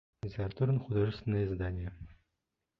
Литературно-художественное издание